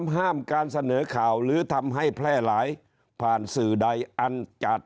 ห้ามการเสนอข่าวหรือทำให้แพร่หลายผ่านสื่อใดอันจัด